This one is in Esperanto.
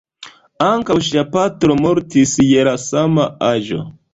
Ankaŭ ŝia patro mortis je la sama aĝo.